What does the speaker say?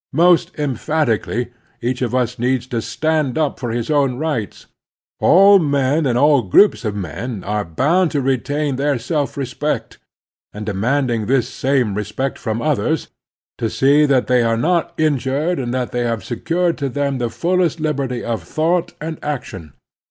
Most emphatic ally each of us needs to stand up for his own rights ; all men and all groups of men are bound to retain their self respect, and, demanding this same re spect from others, to see that they are not injured and that they have secured to them the fullest lib erty of thought and action.